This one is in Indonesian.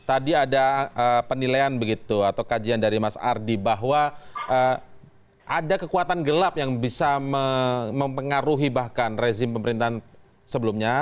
tadi ada penilaian begitu atau kajian dari mas ardi bahwa ada kekuatan gelap yang bisa mempengaruhi bahkan rezim pemerintahan sebelumnya